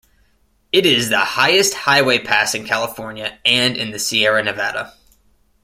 It is the highest highway pass in California and in the Sierra Nevada.